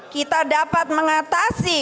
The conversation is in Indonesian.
kita dapat mengatasi